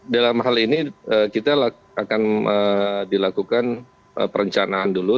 dalam hal ini kita akan dilakukan perencanaan dulu